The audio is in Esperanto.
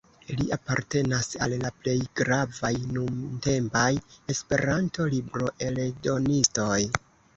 Li apartenas al la plej gravaj nuntempaj Esperanto-libroeldonistoj.